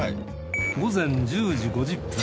午前１０時５０分。